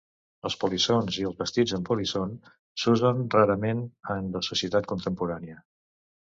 Els polissons i els vestits amb polisson s'usen rarament en la societat contemporània.